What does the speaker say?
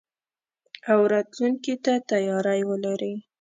او راتلونکي ته تياری ولري.